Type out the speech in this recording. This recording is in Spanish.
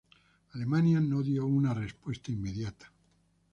Alemania no dio una respuesta inmediata.